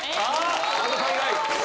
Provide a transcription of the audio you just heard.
安藤さん以外。